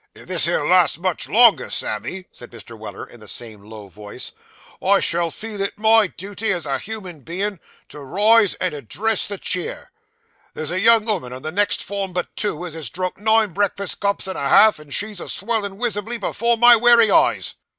'If this here lasts much longer, Sammy,' said Mr. Weller, in the same low voice, 'I shall feel it my duty, as a human bein', to rise and address the cheer. There's a young 'ooman on the next form but two, as has drunk nine breakfast cups and a half; and she's a swellin' wisibly before my wery eyes.